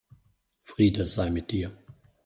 Friede sei mit dir!